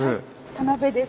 田辺です。